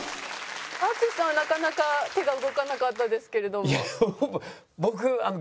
淳さんはなかなか手が動かなかったですけれども。